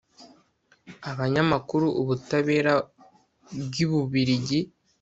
Abanyamakuru ubutabera bw i Bubiligi